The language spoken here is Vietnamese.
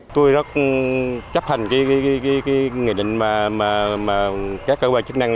tôi rất chấp hành cái nghị định mà các cơ quan chức năng